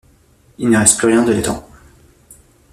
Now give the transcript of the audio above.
Il ne reste plus rien de l'étang.